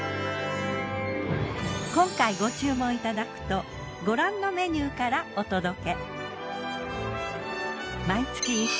今回ご注文いただくとご覧のメニューからお届け。